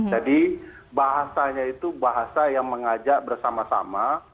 jadi bahasanya itu bahasa yang mengajak bersama sama